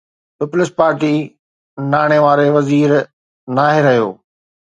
Peoples Party ناڻي وارو وزير ناهي رهيو؟